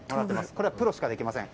これはプロしかできません。